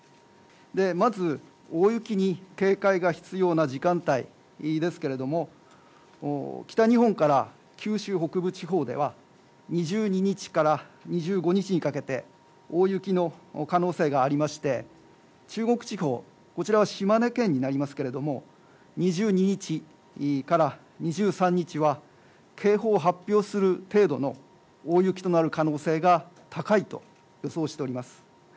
まず、大雪に警戒が必要な時間帯ですけれども、北日本から九州北部地方では２２日から２５日にかけて大雪の可能性がありまして、中国地方、島根県になりますけれども、２２日から２３日は警報を発表する程度の大雪となる可能性が高いと予想しております。